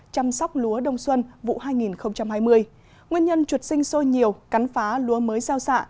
chăm sóc lúa đông xuân vụ hai nghìn hai mươi nguyên nhân chuột sinh sôi nhiều cắn phá lúa mới gieo xạ